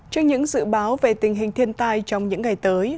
trên những dự báo về tình hình thiên tai trong những ngày tới